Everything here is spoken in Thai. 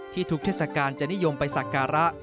ทุกเทศกาลจะนิยมไปสักการะ